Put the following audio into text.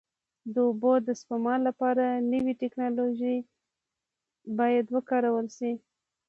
د اوبو د سپما لپاره نوې ټکنالوژي باید وکارول شي.